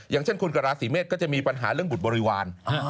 อย่างเช่นคนกับราศีเมษก็จะมีปัญหาเรื่องบุตรบริวาร